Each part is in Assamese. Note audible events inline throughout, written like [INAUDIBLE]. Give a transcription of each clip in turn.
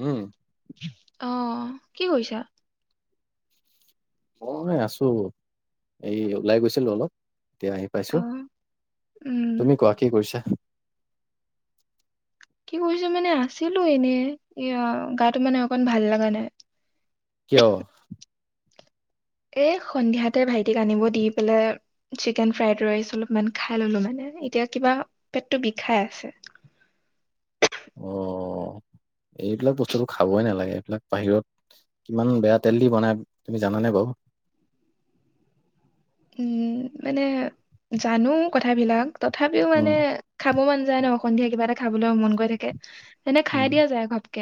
উম, অ কি কৰিছা? মই আছো। এই ওলাই গৈছিলো অলপ এতিয়া আহি অ পাইছো। উম তুমি কোৱা, কি কৰিছা? কি কৰিছো মানে, আছিলো এনে এ গাটো মানে অকন ভাল লগা নাই। কিয় [INAUDIBLE] এ সন্ধিয়াতে ভাইটিক আনিব দি পেলাই চিকেন ফ্ৰাইড ৰাইচ অলপমান খাই ললো মানে, এতিয়া কিবা পেটটো বিষাই আছে। অ' এইবিলাক বস্তুটো খাবই নালাগে, এইবিলাক বাহিৰত কিমান বেয়া তেল দি বনাই তুমি জানানে বাৰু [INAUDIBLE] উম। মানে জানো কথাবিলাক। তথাপিও উম, মানে খাব মান যায় ন সন্ধিয়া কিবা এটা খাবলৈ মন গৈ থাকে এনে খাই উম, দিয়া যায় ঘপকে।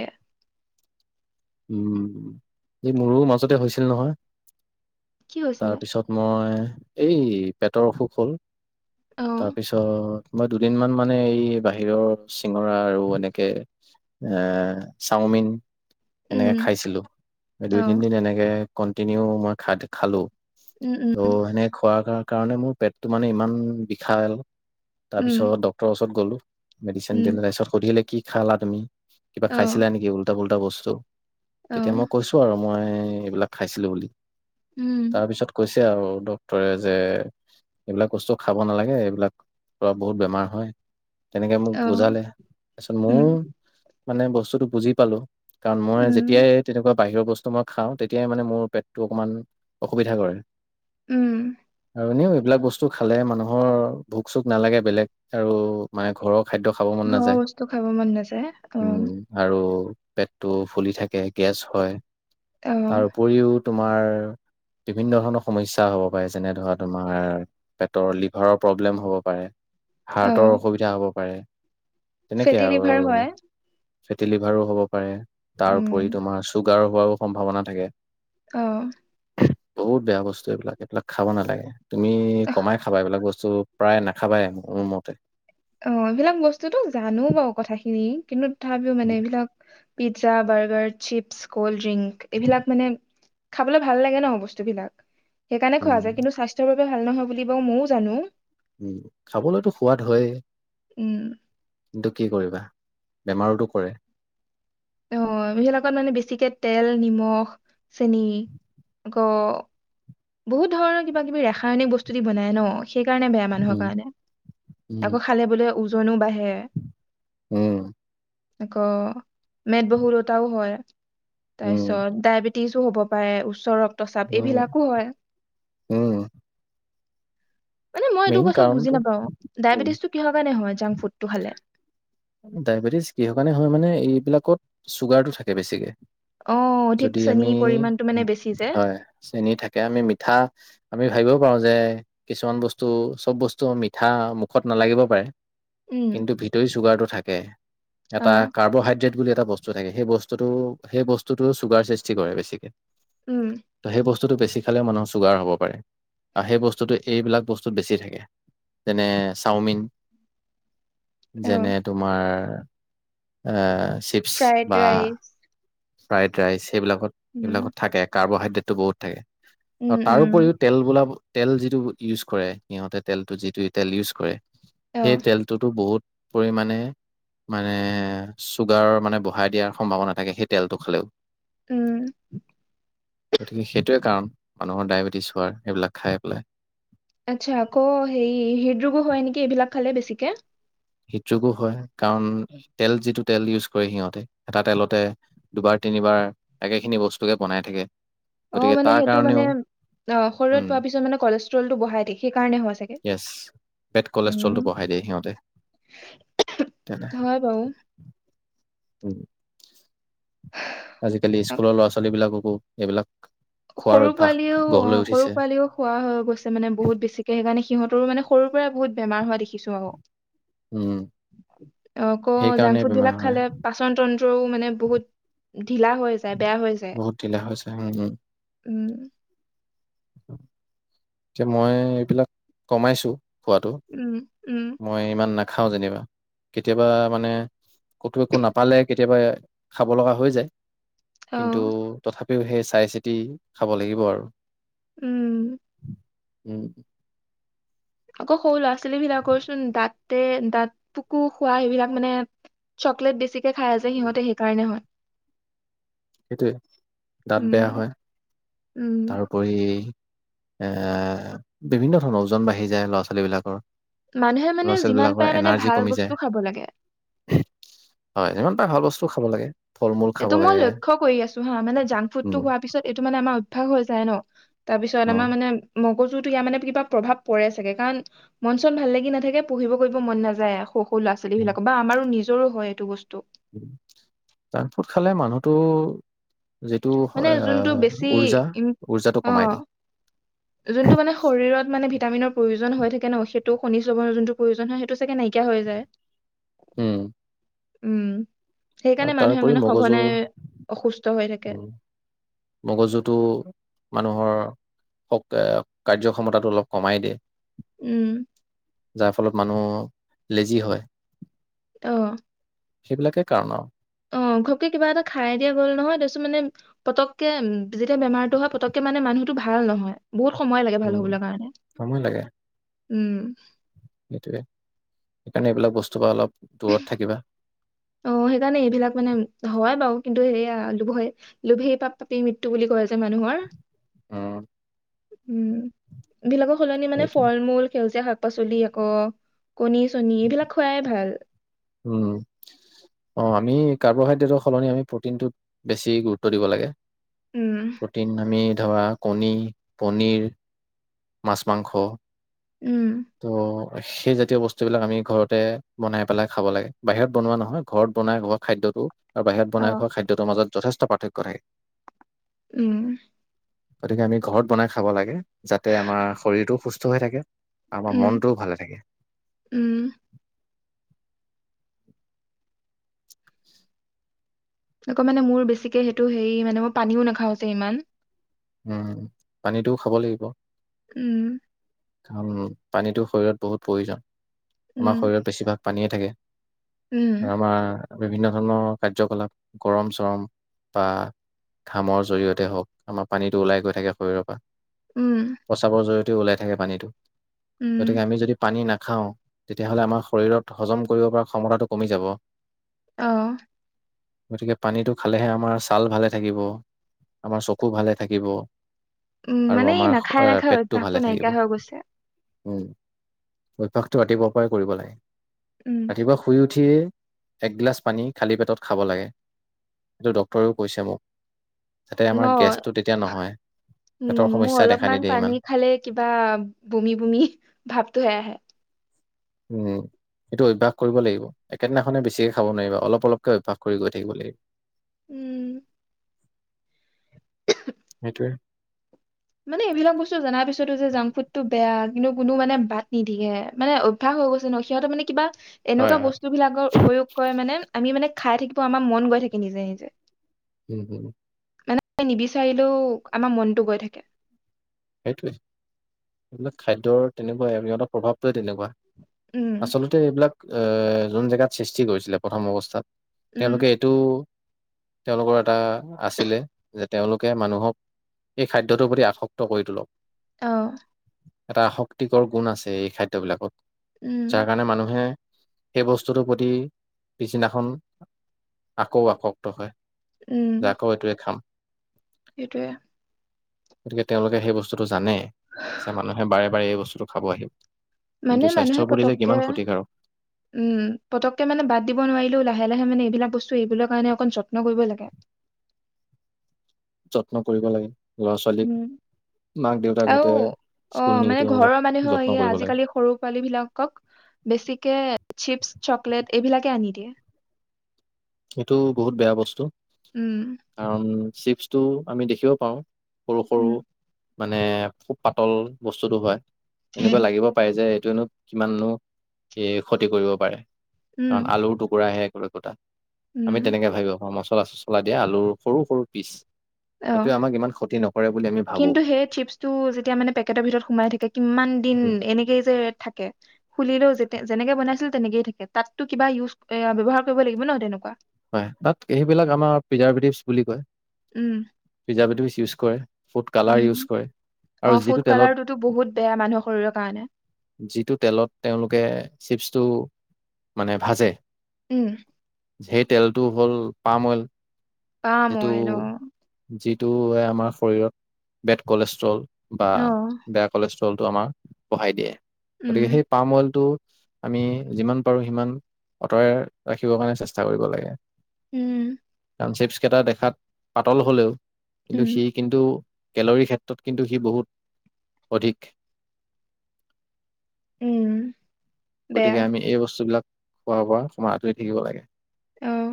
উম। এই মোৰো মাজতে হৈছিল নহয়। কি হৈছিলে তাৰপিছত মই এই পেটৰ অসুখ হ'ল অ তাৰপিছত মই দুদিনমান মানে এই বাহিৰৰ চিঙৰা আৰু এনেকে এ চাওমিন এনেকে উম খাইছিলো। দুই অ তিনদিন এনেকে কন্টিনিউ মই খ- খালো। উম উম ত' হেনেকে খোৱা কাৰণে কাৰণে মোৰ পেটটো মানে ইমান বিষাল তাৰ উম পিছত ডক্তৰ ওচৰত গ'লো মেডিচিন উম দিলে তাছত সুধিলে কি খালা তুমি? কিবা অ খাইছিলা নেকি উল্টা পুল্টা-? দ বছ [UNINTELLIGIBLE] চ' অ তেতিয়া মই কৈছো আৰু মই, এইবিলাক খাইছিলো বুলি। উম তাৰ পিছত কৈছ সেয়ে আৰু ডক্তৰে যে, এইবিলাক বস্তু খাব নালাগে। এইবিলাক পৰা বহুত বেমাৰ হয়। তেনেকে মোক অ বুজালে, তাৰপিছত উম মইয়ো মানে বস্তুটো বুজি পালো। কাৰণ মই উম, যেতিয়াই তেনেকুৱা বাহিৰৰ বস্তু মই খাওঁ, তেতিয়াই মানে মোৰ পেটটো অকমান অসুবিধা কৰে। উম। আৰু এনেও এইবিলাক বস্তু খালে মানুহৰ ভোক-চোক নালাগে বেলেগ, আৰু মানে ঘৰ ঘৰৰ বস্তু খাব মন নাযায়। অ। পেট টো ফুলি থাকে, গেছ হয়। তাৰ অ', উপৰিও তোমাৰ, বিভিন্ন ধৰণৰ সমস্যা হ'ব পাৰে, যেনে ধৰা তোমাৰ পেটৰ লিভাৰৰ প্ৰব্লেম হ'ব পাৰে। হাৰ্টৰ অ', অসুবিধা হব পাৰে। তেনেকে ফেটি আৰু লিভাৰ হয়। ফেটি লিভাৰো হ'ব পাৰে। উম, তাৰউপৰি তোমাৰ চুগ গাৰ হোৱাৰো সম্ভাৱনা থাকে। অ'। বহুত বেয়া বস্তু এইবিলাক, এইবিলাক খাব নালাগে। তুমি অ', কমাই খাবা এইবিলাক বস্তু প্ৰায় নাখাবাই, মোৰ মতে। অঁ', এইবিলাক বস্তুতো, জানো বাৰু কথাখিনি। কিন্তু তথাপিও মানে উম এইবিলাক pizza, burger, chips, cold drink, এইবিলাক মানে খাবলৈ ভাল লাগে ন বস্তুবিলাক। সেইকাৰণে খোৱা উম। যায় কিন্তু বাব ভাল নহয় বুলি বাৰু মইও জানো। উম, খাবলৈতো সোৱাদ হয়েই উম। কিন্তু কি কৰিবা, বেমাৰোতো কৰে। অঁ, এইবিলাকত মানে বেছিকে তেল, নিমখ, চেনিক, গ বহুত ধৰণৰ কিবা কিবি ৰাসায়নিক বস্তু দি বনাই ন। সেইকাৰণে বেয়া মানুহৰ উম, কাৰণে, উম, আকৌ খালে বোলে ওজনো বাঢ়ে হে। উম, আকৌ মেদ বহুলতাও হয় উম, তাৰপিছত ডায়েবেটিচ টিজো হ'ব পাৰে ওচৰত তচাপ উম, এইবিলাকো হয় উম মানে মই এইটো মেইন কথা বুজি কাৰণটো নাপাও উম, ডায়েবেটিছ টো কিহৰ কাৰণে হয় যাং ফুডটো খালে ডায়েবেটিছ কিহৰ কাৰণে হয় মানে এইবিলাকত চুগাৰটো থাকে বেছিকে অ অধিক যদি আমি চেনীৰ পৰিমাণটো মানে বেছি যে হয় চেনি থাকে আমি মিঠা আমি ভাবিব পাৰোঁ যে কিছুমান বস্তু চব বস্তু মিঠা মুখত নালাগিব পাৰে উম কিন্তু ভিতৰি চুগাৰটো থাকে অ এটা কাৰ্বহাইড্ৰেট বুলি এটা এটা বস্তু থাকে সেই বস্তুতটো সেই বস্তুতটো চুগাৰ সৃষ্টি কৰে বেছিকে উম ত সেই বস্তুতটো বেছি খালে মানুহৰ চুগাৰ হ'ব পাৰে আৰু সেই বস্তুটো এইবিলাক বস্তুত বেছি থাকে যেনে চাওমিন অ যেনে মাৰ উম চিপছ ফ্ৰাইড বা ৰাইচ ফ্ৰাইড ৰাইচ সেইবিলাকত উম সেইবিলাকত থাকে কাৰ্বহাইড টো বহুত থাকে অ উম তাৰ উম উপৰিও তেলবোলা তেল যিটো ইউজ কৰে সিহঁতে তেলটো যিটো তেল ইউজ কৰে অ সেই তেলটোতো বহুত পৰিমাণে মানে চুগাৰ মানে বঢ়াই দিয়াৰ সম্ভাৱনা থাকে সেইটো তেলটো খালেও উম গতিকে সেইটোৱে কাৰণ মানুহৰ ডায়েবেটিছ হোৱাৰ সেইবিলাক খাই পেলাই আচ্ছা আকৌ হেৰি হৃদৰোগো হয় নেকি এইবিলাক খালে বেছিকে হৃদযোগো হয় কাৰণ তেল যিটো তেল ইউজ কৰে সিহঁতে এটা তেলতে দুবাৰ তিনিবাৰ একেখিনি বস্তুকে বনাই থাকে অ গতিকে মানে তাৰ সেইটো মানে কাৰণেও অ শৰীৰত উম পোৱা পিছত মানে কলেচ ওজন বঢ়াই ঠিকে কাৰণে হোৱা চাগে য়েছ বেড উম কলেষ্ট্ৰলটো বঢ়াই দিয়ে সিহঁতে তেনে হয় বাৰু উম আ, আ এইবিলাক খোৱাৰ সৰু অভ্যাস পোৱালিও গঢ় লৈ সৰু উঠিছে পোৱালিও খোৱা হৈ গৈছে মানে বহুত বেছিকে সেইকাৰণে সিহঁতৰো মানে সৰুৰ পৰাই বহুত বেমাৰ হোৱা দেখিছোঁ আৰু উম আকৌ জাংক সেইকাৰণে ফুড বেমাৰ বিলাক হয় খালে পাচন তন্ত্ৰ মানে বহুত ঢিলা হৈ যায় বেয়া হৈ যায় বহুত ঢিলা হৈছে উম উম উম এতিয়া মই এইবিলাক কমাইছো খোৱাতটো উম উম মই ইমান না খাওঁ যেনিবা কেতিয়াবা মানে কতো একো নাপালে কেতিয়াবা খাব লগা হৈ যায় অ কিন্তু তথাপি সেই চাই চিতি খাব লাগিব আৰু উম! উম। আকৌ সৰু ল'ৰা ছোৱালী বিলাকৰচোন দাঁতে, দাঁত পুকো খোৱা, সেইবিলাক মানে চকলেট বেছি খাই যে সিহঁতে সেইকাৰণে হয়। সেইটোৱে। দাঁত বেয়া উম হয়, উম তাৰোপৰি এ, বিভিন্ন ধৰণৰ, ওজন বাঢ়ি যায় ল'ৰা ছোৱালী বিলাকৰ। মানুহে মানে ল'ৰা ছোৱালী যিমান বিলাকৰ পাৰে মানে এনাৰ্জি ভাল কমি বস্তু যায়, খাব লাগে হয় যিমান পাৰে ভাল বস্তু টো খাব লাগে। ফল মূল খাব এইটো মই লাগে। লক্ষ্য কৰি আছো হা মানে জংক ফুডটো উম হোৱাৰ পিছত এইটো মানে আমাৰ ভাগ হৈ যায় ন! তাৰপিছত উম আমাৰ মানে, ম গজুতো ইায়াৰ মানে কিবা প্ৰভাৱ পৰে চাগে, কাৰণ মন চন ভাল লাগি নাথাকে। পঢ়িব কৰিব মন নাযায় আৰু সৰু লৰা উম, ছোৱীবিলাকৰ বা আমাৰো নি জৰো হয় এইটো বস্তু। জাংক ফুড খালে মানুহটো যিটো মানে যোনটো বেছি আহ উৰ্জা, ইম উৰ্জাটো অ কমাই দিয়ে। যোনটো মানে, শৰীৰত মানে ভিটামিনৰ প্ৰয়োজন হৈ থাকে ন, সেইটো খনিজ লৱণৰ যোনটো প্ৰয়োজন হয়, সেইটো চাগে নাইকিয়া হৈ যায়। উম। উম। আৰু সেইকাৰণে মানুহে তাৰোপৰি মানে সঘনাই অসুস্থ হৈ থাকে। উ মগজুটো মানুহৰ [UNINTELLIGIBLE] কাৰ্যক্ষমতাটো অলপ কমাই দিয়ে। উম যাৰ ফলত মানুহ। লেজি হয়। অ'। সেইবিলাকে কাৰণ আৰু। অ', ঘপকে কিবা এটা খাই দিয়া গ'ল নহয়, তাৰপিছত মানে পতককে উম যেতিয়া বেমাৰটো হয়, পতককে মানে মানুহটো ভাল নহয়। বহুত সময় লাগে ভাল উম হ'বলৈ কাৰণে। উম। সেইটোয়ে সেইকাৰণে এইবিলাক বস্তু পৰা অলপ দূৰত থাকিবা সেইকাৰণে এইবিলাক মানে হয়াই বাৰু। কিন্তু এইয়া লোভে লোভেই পাপ পাপেই মৃত্যু বুলি কয় যে মানুহৰ। অ'। উম। বিলাকৰ সলনি মানে সেইটোৱে ফল-মূল সেউজীয়া শাক। শাক-পাচলি আকৌ কণী-চণী এইবিলাক খোৱাই ভাল। উম', অঁ', আমি কাৰ্বহাইড্ৰেটৰ সলনি আমি প্ৰটিনটোত বেছি গুৰুত্ব দিব লাগে। উম প্ৰটিন আমি। ধৰা কণী, পনীৰ, মাছ, মাংস। উম। ত' সেই জাতীয় বস্তু বিলাক আমি ঘৰতে বনাই পেলাই। খাব লাগে। বাহিৰত বনোৱা নহয় ঘৰত বনাই খোৱা খাদ্যতো। আৰু বাহিৰত অ বনাই খোৱা খাদ্যটোৰ মাজত। যথেষ্ট পাৰ্থক্য থাকে। উম গতিকে আমি ঘৰত বনাই খাব লাগে, যাতে আমাৰ শৰীৰটো সুস্থ। হৈ থাকে। আমাৰ উম মনটোও ভালে থাকে। উম আকৌ মানে মোৰ বেছিকে সেইটো হেৰি মানে মই পানীও নাখাওঁ যে ইমান। উম, পানীটোও খাব লাগিব। উম। কাৰণ পানীটো শৰীৰত বহুত প্ৰয়োজন। আমাৰ উম শৰীৰত বেছিভাগ। পানীয়ে থাকে। উম আমাৰ। বিভিন্ন ধৰণৰ কাৰ্যকলাপ গৰম চৰম বা ঘামৰ জৰিয়তে হওক আমাৰ পানীটো ওলাই গৈ থাকেৰীৰৰ পৰা উম পচাব জৰিয়তেই ওলাই থাকে পানীটো উম গতিকে আমি যদি পানী নাখো খাওঁ তেতিয়াহ'লে আমাৰ শৰীৰত হজম কৰিব পৰা ক্ষমতাটো কমি যাব অঁ গতিকে পানীটো খালেহে আমাৰ ছাল ভালে থাকিব আমাৰ চকু ভালে থাক থাকিব উম আৰু মানে এই আমাৰ নাখায় আহ, নাখায় পেটটো অভ্যাসটো ভালে থাকিব নাইকিয়া হৈ গৈছে উম অভ্যাসটো ৰাতিপুৱাই পৰাই কৰিব লাগে উম ৰাতিপুৱা শুই উঠি উঠিয়ে একগিলাছ পানী খালী পেটত খাব লাগে সেইটো ড্টৰেও কৈছে মোক যাতে আমাৰ মই গেষ্ট উম মোৰ অলপমান নিদিয়ে ইমান পানী খালে কিবা বুমি বুমি ভাৱটোোহে আহে উম সেইটো অভ্যাস কৰিব লাগিব, একেদিনাখনে বেছিকে খাব নোৱাৰিবা, অলপ অলপকে অভ্যাস কৰি গৈ থাকিব লাগিব। উম সেইটোৱে মানে এইবিলাক বস্তু জনাৰ পিছতো যে জাংক ফুডটো বেয়া, কিন্তু কোনো মানে বাট নিদিয়ে, মানে অভ্যাস হৈ গৈছে নহ, সিহঁত মানে কিবা হয় এনেকুৱা হয় বস্তু বিলাকৰ উপয়োগ কৰে মানে, আমি মানে খাই থাকিব আমাৰ মন গৈ থাকে, নিজে নিজে উম, হম মানে নিবিচাৰিলেও আমাৰ মনটো গৈ থাকে। সেইটোৱে এইবিলাক খাদ্যৰ তেনেকুৱাই সিহঁতৰ প্ৰভাৱটো তেনেকুৱা, উম আচলতে এইবিলাক এহ যোন জেগাত সৃষ্টি কৰিছিলে, প্ৰথম অৱস্থাত উম তেওঁলোকে এইটো তেওঁলোকৰ এটা আছিলে, যে তেওঁলোকে মানুহক এই খাদ্যটোৰ প্ৰতি আসক্ত কৰি তোলক অহ এটা আ শক্তিকৰ গুণ আছে, এই খাদ্যবিলাকত উম যাৰ কাৰণে মানুহে সেই বস্তুটোৰ প্ৰতি পিছদিনাখন আকৌ আসক্ত হয়। যাকৌ এইটোৱে খাম। এইটোৱে গতিকে তেওঁলোকে সেই বস্তুটো জানে মানে বাৰে বা এই বস্তুটো খাব আহিম মানে মানুহে পতককে উম পতককে মানে বাদ দিব নোৱাৰিলেও লাহে লাহে মানে এইবিলাক বস্তু এইবৰ কাৰণে অকণ যত্ন কৰিব লাগে যত্ন কৰিব লাগে ল'ৰা ছোৱালীক উম মাক দেউতাকহঁতে আও অ স্কুল মানে নিওঁতেও অলপ ঘৰৰ মানুহেও যত্ন এইয়া কৰিব লাগে, আজিকালি সৰু পোৱালী বিলাকক বেছিকে চিপছ চকলেট এইবিলাকে আনি দিয়ে সেইটো বহুত বেয়া বস্তু উম [UNINTELLIGIBLE] চিপছটো আমি দেখিব পাৰো সৰু সৰু উম মানে খুব পাতল বস্তুটো হয় এনেকুৱা উম লাগিব পায় যে কিয়নো কিমানো এ ক্ষতি কৰিব পাৰে উম কাৰণ আলুৰ টুকুৰাহে কলে কটা আমি উম তেনেকে ভাবি আ পম মচলা চচলা দিয়া আলুৰ সৰু সৰু পিচ অঁ এইটোৱে আমাক ইমান ক্ষতি নকৰে বুলি আমি ভাবো কিন্তু সেই চিপছটো যেতিয়া মানে পেকেটৰ ভিতৰত সোমাই থাকে কিমান দিন এনেকেই যে থাকে খুলিলেও যে যেনেকে বনাইছিলে তেনেকেইে থাকে তাতো কিবা ইউজ এ ব্যৱহাৰ কৰিব লাগিব ন তেনেকুৱা হয় তাত সেইবিলাক আমাৰ পিজাৰটিছ বুলি কয় উম পিজ্জা পেটিচ ইউজ কৰে ফুড কালাৰ ইউজ উম কৰে অ আৰু ফুড যিটো তেলত কালাৰটোতো বহুত বেয়া মানুহৰ শৰীৰৰ কাৰণে যিটো তেলত তেওঁলোকে চিপছটো মানে ভাজে উম সেই তেলটো হ'ল পাম অইল পান অইল এইটো আমাৰ শৰীৰত বেড কলেষ্ট্ৰল বা বেয়া কলেজ লটো আমাৰ বঢ়াই দিয়ে গতিকে উম, সেই পামলটো আমি যিমান পাৰো সিমান আঁতৰাই ৰাখিব কাৰণে চেষ্টা কৰিব লাগে উম চিপচ্ কেইটা দেখাত পাতল হ'লেও কিন্তু উম, সি কিন্তু কেলৰীৰ ক্ষেত্ৰত কিন্তু সি বহুত অধিক উম, বেয়া, গতিকে আমি এই বস্তুবিলাক খোৱা পৰা তোমাৰ আঁতৰি থাকিব লাগে অঁ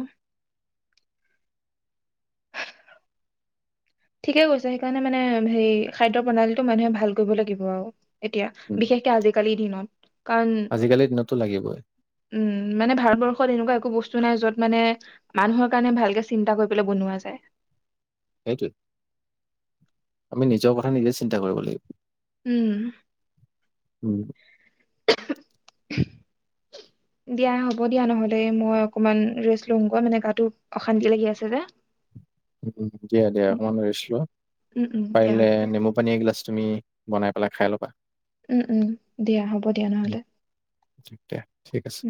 ঠিকে কৈছে সেইকাৰণে মানে হে খাদ্য প্ৰণালীটো মানুহে ভাল কৰিব লাগিব আৰু এতিয়া উম, বিশেষকে আজিকালি উম কাৰণ আজিকালিৰ দিনততো লাগিবই উম মানে ভাৰতবৰ্ষত এনেকুৱা একো বস্তু কিু নাই যত মানে মানুহৰ কাৰণে ভালকে চিন্তা কৰি পেলাই বনোৱা যায় সেইটোও আমি নিজৰ কথা নিজে চিন্তা কৰিব লাগিব উম উম দিয়া হ'ব দিয়া নহ'লে মই অকমান ৰেষ্ট লমগোৱা মানে গাটো অশান্তি লাগি আছে যে উ দিয়া দিয়া মন কৰিছিলো উম, উম, দিয়া পাৰিলে হ'ব দিয়া, নেমু পানী এগিলাচ তুমি বনাই পেলাই খাই ল'বা উম উম দিয়া হ'ব দিয়া উম, নহ'লে দিয়া ঠিক আছে উম।